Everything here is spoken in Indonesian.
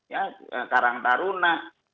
ya karang taruna